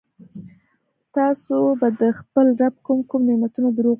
تاسو به د خپل رب کوم کوم نعمتونه درواغ وګڼئ.